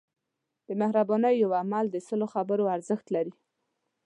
د مهربانۍ یو عمل د سلو خبرو ارزښت لري.